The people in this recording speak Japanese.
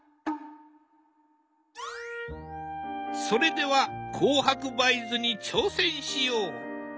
それでは紅白梅図に挑戦しよう。